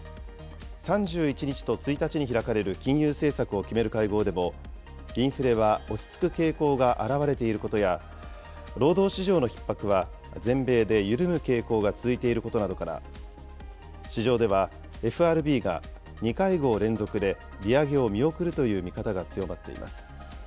３１日と１日に開かれる金融政策を決める会合でも、インフレは落ち着く傾向があらわれていることや、労働市場のひっ迫は全米で緩む傾向が続いていることなどから、市場では、ＦＲＢが２会合連続で利上げを見送るという見方が強まっています。